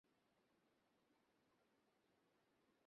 এইরূপে দেখা যায় যে, মানব-জাতির পক্ষে আধ্যাত্মিকতার প্রয়োজন সর্বদাই আছে।